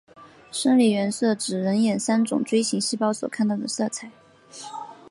生理原色指人眼三种锥状细胞所看到的色彩。